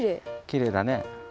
きれいだね。